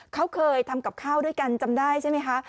เขาเคยทำกับข้าวด้วยกันจำได้ใช่ไหมคะ